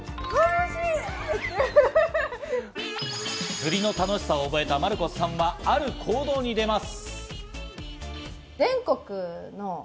釣りの楽しさを覚えたマルコスさんは、ある行動に出ます。